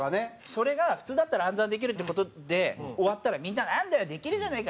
それが普通だったら暗算できるって事で終わったらみんな「なんだよできるじゃないか！」